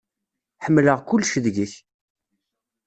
Ḥemmleɣ kullec deg-k.